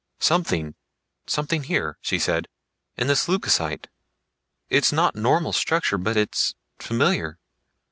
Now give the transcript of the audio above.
"Something ... something here," she said, "in this leucocyte. It's not normal structure, but it's familiar.